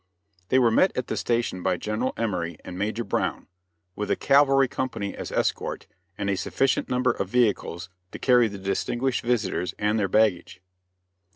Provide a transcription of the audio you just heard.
They were met at the station by General Emory and Major Brown, with a cavalry company as escort and a sufficient number of vehicles to carry the distinguished visitors and their baggage.